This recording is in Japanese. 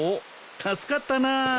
助かったな。